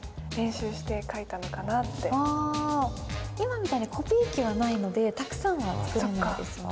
今みたいにコピー機はないのでたくさんは作れないですよね。